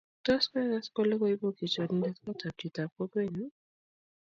Tos kwegas kole koibokchi chorindet kot ab chit ab kokwenyu